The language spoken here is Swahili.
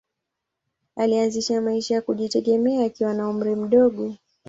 Alianza maisha ya kujitegemea akiwa na umri mdogo.